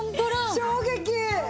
衝撃！